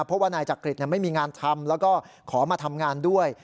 เพราะว่านายจักริตไม่มีงานทำแล้วก็ขอมาทำงานด้วย